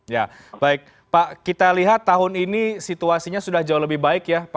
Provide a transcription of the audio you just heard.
ya baik pak kita lihat tahun ini situasinya sudah jauh lebih baik ya